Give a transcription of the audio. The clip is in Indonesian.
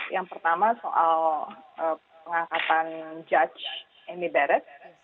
yang pertama soal pengangkatan judge amy barrett